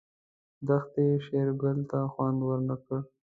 دښتې شېرګل ته خوند ورنه کړ.